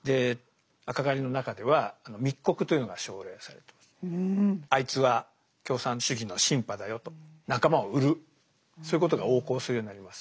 赤狩りの中では「あいつは共産主義のシンパだよ」と仲間を売るそういうことが横行するようになります。